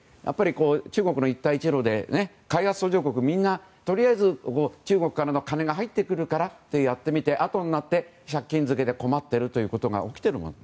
中国の一帯一路で開発途上国みんなとりあえず中国の金が入ってくるからとやってみてあとになって、借金漬けで困ることが起きている。